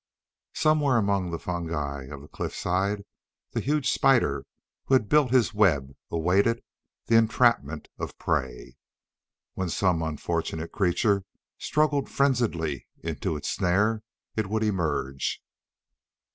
Somewhere among the fungi of the cliffside the huge spider who had built this web awaited the entrapment of prey. When some unfortunate creature struggled frenziedly in its snare it would emerge.